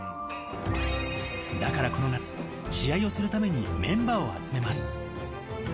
だからこの夏、試合をするために、メンバーを集めます。